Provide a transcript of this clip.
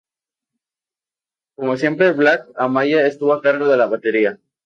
Como siempre Black Amaya estuvo a cargo de la batería.